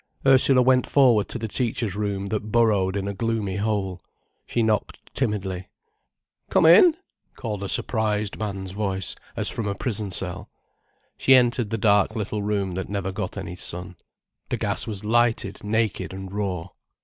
Ursula went forward to the teachers' room that burrowed in a gloomy hole. She knocked timidly. "Come in!" called a surprised man's voice, as from a prison cell. She entered the dark little room that never got any sun. The gas was lighted naked and raw.